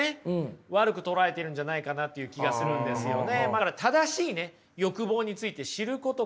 悪く捉えているんじゃないかなっていう気がするんですよね。